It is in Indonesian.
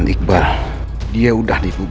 iqbal dia udah dibawa